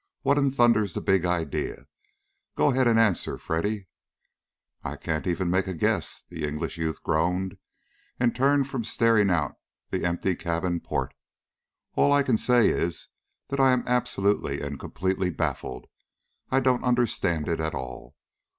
"What in thunder is the big idea? Go ahead and answer, Freddy." "I can't even make a guess," the English youth groaned, and turned from staring out the empty cabin port. "All I can say is that I am absolutely and completely baffled. I don't understand it at all.